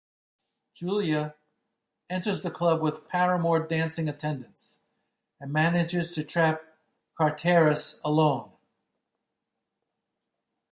Julia enters the Club with Paramore dancing attendance, and manages to trap Charteris alone.